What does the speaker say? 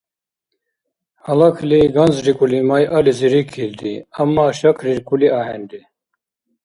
Гьалакли ганзрикӀули майализи рикилри, амма шакриркули ахӀенри.